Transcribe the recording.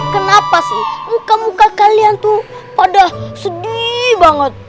kenapa sih muka muka kalian tuh pada sedih banget